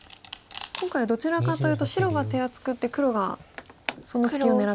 今回はどちらかというと白が手厚く打って黒がその隙を。